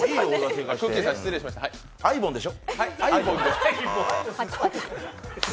アイボンでしょ？